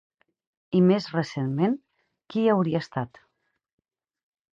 I més recentment, qui hi hauria estat?